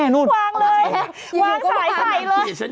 นะชัดเจน